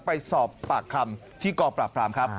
ไปสอบปากคำที่กองปราบปรามครับ